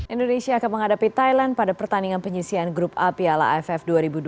indonesia akan menghadapi thailand pada pertandingan penyisian grup a piala aff dua ribu dua puluh